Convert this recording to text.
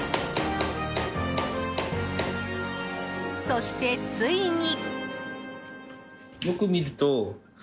そして、ついに。